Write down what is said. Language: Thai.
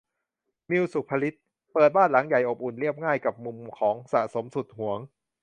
มิว ศุภศิษฏ์ เปิดบ้านหลังใหญ่ อบอุ่น เรียบง่าย กับมุมของสะสมสุดหวง